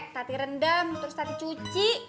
tadi rendem terus tadi cuci